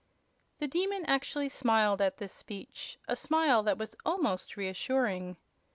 The Demon actually smiled at this speech, a smile that was almost reassuring.